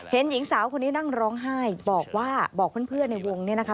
เห็นหญิงสาวคนนี้นั่งร้องไห้บอกว่าบอกเพื่อนในวงเนี่ยนะคะ